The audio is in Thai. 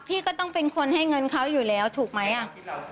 พี่ก็ต้องเป็นคนให้เงินเขาอยู่แล้วถูกไหมอ่ะ